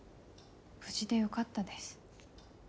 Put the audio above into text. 無事でよかったです。